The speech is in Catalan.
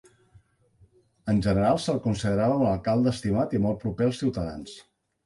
En general, se'l considerava un alcalde estimat i molt proper als ciutadans.